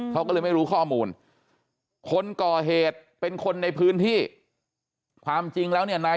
เขาก็เลยไม่รู้ข้อมูลคนก่อเหตุเป็นคนในพื้นที่ความจริงแล้วเนี่ยนาย